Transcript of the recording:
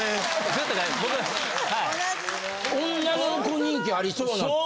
女の子人気ありそうな感じやな。